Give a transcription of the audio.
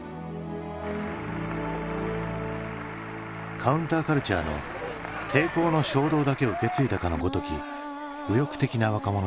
カウンターカルチャーの抵抗の衝動だけを受け継いだかのごとき右翼的な若者たち。